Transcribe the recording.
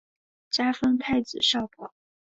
加封太子少保。